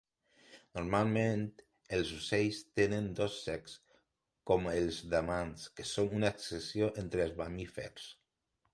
Normalment els ocells tenen dos cecs, com els damans, que són una excepció entre els mamífers.